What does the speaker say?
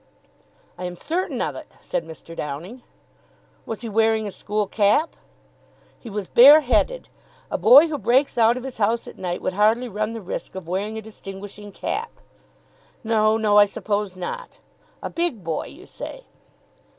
"I am certain of it," said Mr. Downing. "Was he wearing a school cap?" "He was bare headed. A boy who breaks out of his house at night would hardly run the risk of wearing a distinguishing cap." "No, no, I suppose not. A big boy, you say?"